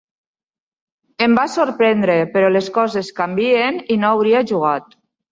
Em va sorprendre, però les coses canvien i no hauria jugat.